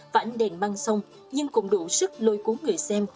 và ánh đèn mang sông nhưng cũng đủ sức lôi cuốn người xem